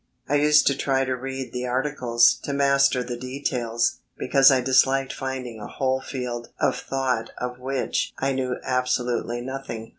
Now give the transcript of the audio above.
I used to try to read the articles, to master the details, because I disliked finding a whole field of thought of which I knew absolutely nothing.